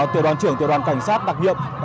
tiểu đoàn trưởng tiểu đoàn cảnh sát đặc nhiệm